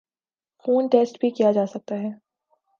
خون ٹیسٹ بھی کیا جاسکتا ہے